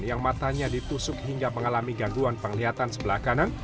yang matanya ditusuk hingga mengalami gangguan penglihatan sebelah kanan